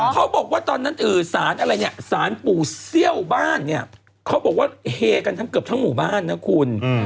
เขาบอกว่าตอนนั้นศาลปู่เซี่ยวบ้านเขาบอกว่าเหกันเกือบทั้งหมู่บ้านนะคุณ